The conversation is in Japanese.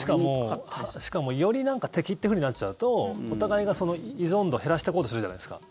しかも、より敵っていうふうになっちゃうとお互いが依存度を減らしてこうとするじゃないですか。